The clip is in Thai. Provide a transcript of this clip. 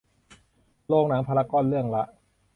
โรงหนังพารากอน เรื่องละ